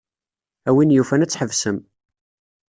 A win yufan ad tḥebsem.